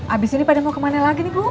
abis ini pada mau kemana lagi nih bu